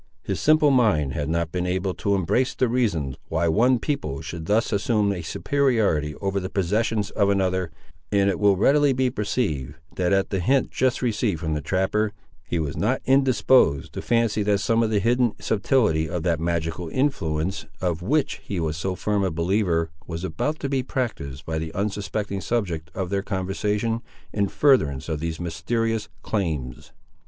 His simple mind had not been able to embrace the reasons why one people should thus assume a superiority over the possessions of another, and it will readily be perceived, that at the hint just received from the trapper, he was not indisposed to fancy that some of the hidden subtilty of that magical influence, of which he was so firm a believer, was about to be practised by the unsuspecting subject of their conversation, in furtherance of these mysterious claims.